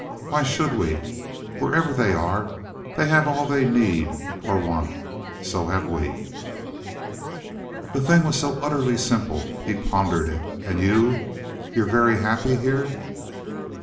Why should we? Wherever they are, they have all that they need or want. So have we." The thing was so utterly simple. He pondered it. "And you you're very happy here?"